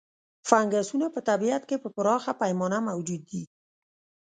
فنګسونه په طبیعت کې په پراخه پیمانه موجود دي.